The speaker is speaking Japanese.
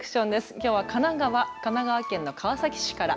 きょうは神奈川県の川崎市から。